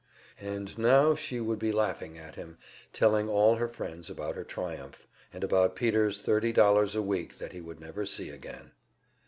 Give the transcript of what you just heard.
And now she would be laughing at him, telling all her friends about her triumph, and about Peter's thirty dollars a week that he would never see again.